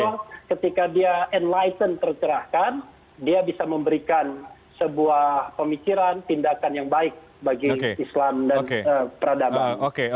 karena ketika dia enlisen tercerahkan dia bisa memberikan sebuah pemikiran tindakan yang baik bagi islam dan peradaban